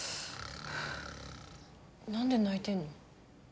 なんで泣いてんの？